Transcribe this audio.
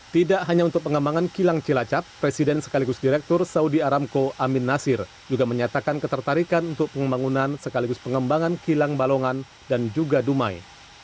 tidak hanya untuk pengembangan kilang cilacap presiden sekaligus direktur saudi aramco amin nasir juga menyatakan ketertarikan untuk pengembangan sekaligus pengembangan kilang balongan dan juga dumai